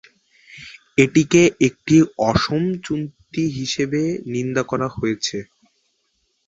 এটিকে একটি "অসম" চুক্তি হিসাবে নিন্দা করা হয়েছে।